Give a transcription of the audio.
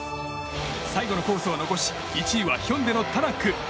最後のコースを残し１位はヒョンデのタナック。